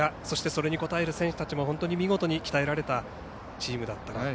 そしてそれに応える選手たちも見事に鍛えられたチームだった。